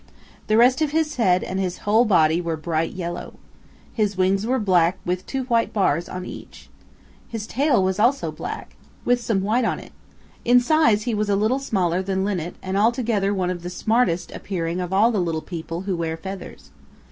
The rest of his head and his whole body were bright yellow. His wings were black with two white bars on each. His tail also was black, with some white on it. In size he was a little smaller than Linnet and altogether one of the smartest appearing of all the little people who wear feathers.